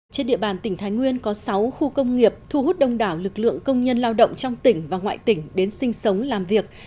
trên địa bàn tỉnh thái nguyên có sáu khu công nghiệp thu hút đông đảo lực lượng công nhân lao động trong tỉnh và ngoại tỉnh đến sinh sống làm việc